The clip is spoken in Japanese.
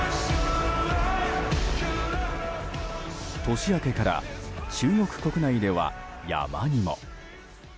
年明けから中国国内では山にも。